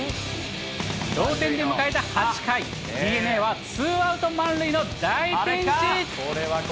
同点で迎えた８回、ＤｅＮＡはツーアウト満塁の大ピンチ。